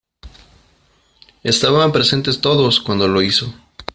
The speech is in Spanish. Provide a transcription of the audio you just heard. Estaban presentes todos, cuando lo hizo.